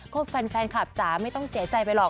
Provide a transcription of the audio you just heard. ก็แฟนคลับจ๋าไม่ต้องเสียใจไปหรอก